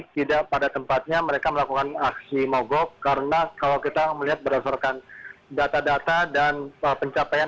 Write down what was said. tidak pada tempatnya mereka melakukan aksi mogok karena kalau kita melihat berdasarkan data data dan pencapaian